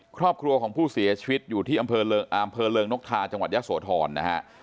ครอบครัวของผู้เสียชีวิตอยู่ที่อำเภอเริงนกทาจังหวัดยะโสธรนะฮะ